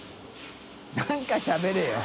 何かしゃべれよ。